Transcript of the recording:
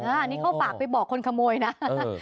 อ่านี่เขาบากไปบอกคนขโมยนะเออ